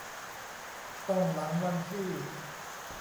ต้องหลังวันที่